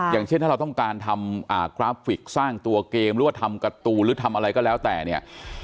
อย่างเช่นถ้าเราต้องการทำกราฟิกสร้างตัวเกมหรือว่าทำการ์ตูนหรือทำอะไรก็แล้วแต่เนี่ย